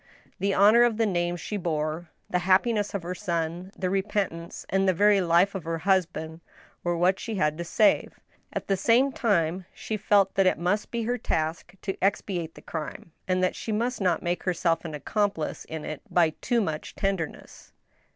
The honor of the name she bore, the happiness of her son, the; repentance and the very life of her husband, were what she had to save ; and at the same time she felt that it must be her task to expi< ate the crime, and that she must not make herself an accomplice in it by too much tenderness.